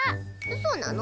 そうなの？